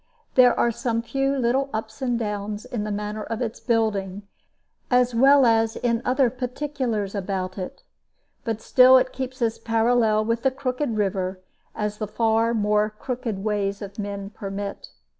There are some few little ups and downs in the manner of its building, as well as in other particulars about it; but still it keeps as parallel with the crooked river as the far more crooked ways of men permit.